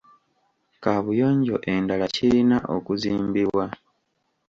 Kaabuyonjo endala kirina okuzimbibwa.